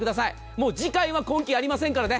もう次回は今季、ありませんからね。